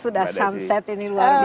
sudah sunset ini luar biasa